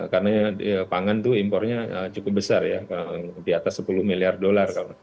karena pangan itu impornya cukup besar ya di atas sepuluh miliar dolar